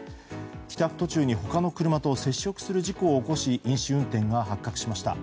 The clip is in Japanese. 帰宅途中に他の車と接触する事故を起こし飲酒運転が発覚しました。